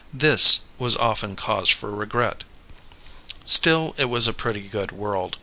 This was often cause for regret. Still it was a pretty good world.